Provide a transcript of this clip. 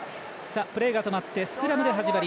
プレーが止まってスクラムです。